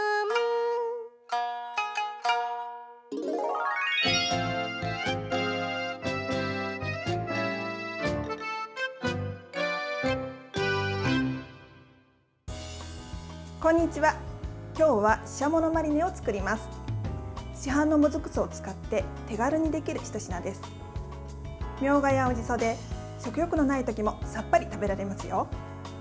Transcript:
みょうがや青じそで食欲のないときもさっぱり食べられますよ。